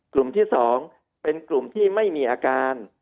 กลุ่มที่๒เป็นกลุ่มที่ไม่มีอาการ